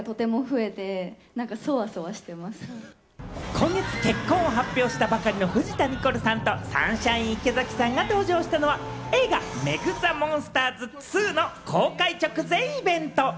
今月、結婚を発表したばかりの藤田ニコルさんとサンシャイン池崎さんが登場したのは、映画『ＭＥＧザ・モンスターズ２』の公開直前イベント。